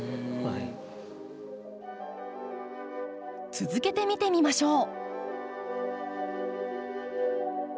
続けて見てみましょう。